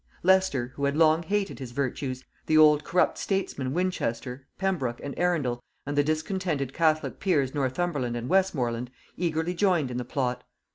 Leicester, who had long hated his virtues; the old corrupt statesmen Winchester, Pembroke, and Arundel; and the discontented catholic peers Northumberland and Westmorland, eagerly joined in the plot.